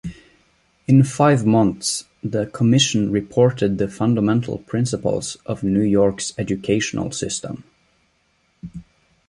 In five months the commission reported the fundamental principals of New York's educational system.